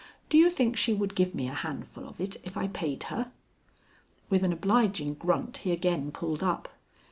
Do you think she would give me a handful of it if I paid her?" With an obliging grunt he again pulled up.